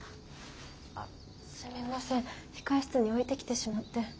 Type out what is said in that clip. あっすみません控え室に置いてきてしまって。